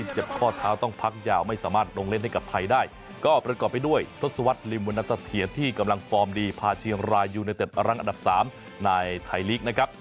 เจ็บข้อเท้าต้องพักยาวไม่สามารถลงเล่นให้กับไทยได้ก็ประกอบไปด้วยทศวรรษริมวรรณสะเทียนที่กำลังฟอร์มดีพาเชียงรายยูเนเต็ดรังอันดับ๓ในไทยลีกนะครับ